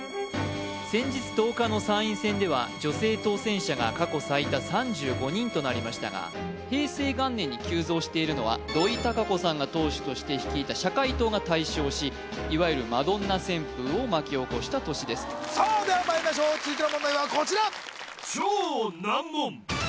先日１０日の参院選では女性当選者が過去最多３５人となりましたが平成元年に急増しているのは土井たか子さんが党首として率いた社会党が大勝しいわゆるマドンナ旋風を巻き起こした年ですさあではまいりましょう続いての問題はこちら